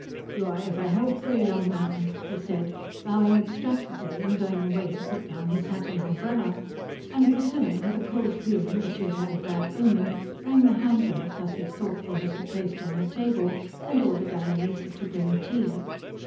"You are ever helpful, young man," he said, bowing abstractedly and going away to put down his hat and umbrella; and Priscilla, with a cold feeling that she had had a bad omen, rang the handbell Tussie's thoughtfulness had placed on her table and ordered Annalise to bring tea.